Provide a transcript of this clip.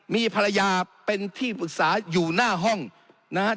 มีภรรยาเป็นที่ปรึกษาอยู่หน้าห้องนะครับ